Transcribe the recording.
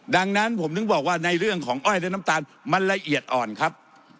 ดังนั้นผมถึงบอกว่าในเรื่องของอ้อยและน้ำตาลมันละเอียดอ่อนครับ